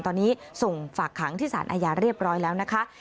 ตอนนี้ส่งฝากขังที่สารอาญาเรียบร้อยแล้วนะคะ